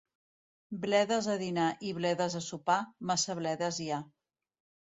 Bledes a dinar i bledes a sopar, massa bledes hi ha.